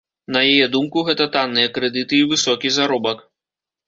На яе думку, гэта танныя крэдыты і высокі заробак.